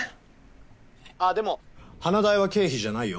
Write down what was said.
あぁでも花代は経費じゃないよ。